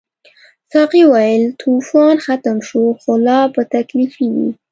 ساقي وویل طوفان ختم شو خو لار به تکلیفي وي.